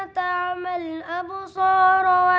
atau mana kerja saya